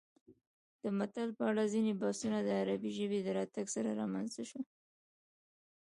د متل په اړه ځینې بحثونه د عربي ژبې د راتګ سره رامنځته شول